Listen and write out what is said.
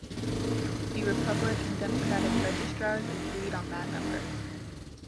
The Republican and Democratic registrars agreed on that number.